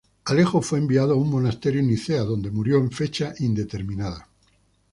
Alejo fue enviado a un monasterio en Nicea, donde murió en fecha indeterminada.